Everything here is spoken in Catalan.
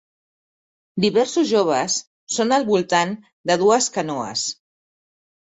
Diversos joves són al voltant de dues canoes.